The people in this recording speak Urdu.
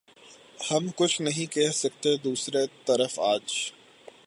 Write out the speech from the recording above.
ہم کچھ نہیں کہہ سکتے دوسری طرف آج